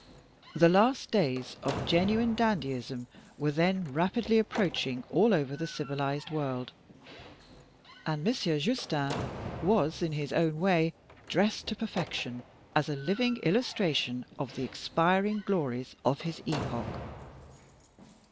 The last days of genuine dandyism were then rapidly approaching all over the civilized world; and Monsieur Justin was, in his own way, dressed to perfection, as a living illustration of the expiring glories of his epoch.